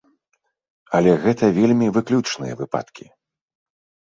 Але гэта вельмі выключныя выпадкі.